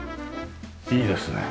いいですね。